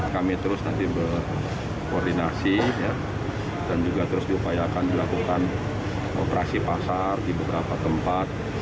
kami terus nanti berkoordinasi dan juga terus diupayakan dilakukan operasi pasar di beberapa tempat